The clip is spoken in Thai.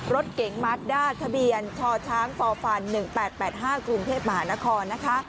รถเก๋งมัดดาดทะเบียนชช้างฟฟัน๑๘๘๕กรุงเทพฯมหานคร